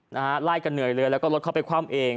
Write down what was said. นะฮะไล่กันเหนื่อยเลยแล้วก็รถเข้าไปคว่ำเอง